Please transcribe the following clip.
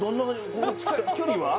こう近い距離は？